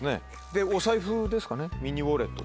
でお財布ですかねミニウォレット。